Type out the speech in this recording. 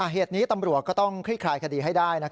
เหตุนี้ตำรวจก็ต้องคลี่คลายคดีให้ได้